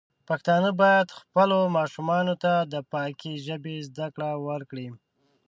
پښتانه بايد خپلو ماشومانو ته د پاکې ژبې زده کړه ورکړي.